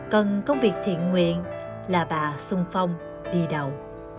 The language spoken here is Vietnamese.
cần công việc thiện nguyện là bà sung phong đi đầu